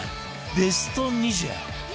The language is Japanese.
ベスト２０